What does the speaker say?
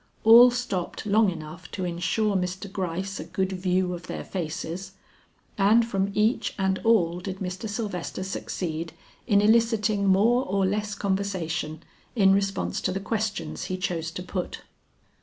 All stopped long enough to insure Mr. Gryce a good view of their faces, and from each and all did Mr. Sylvester succeed in eliciting more or less conversation in response to the questions he chose to put.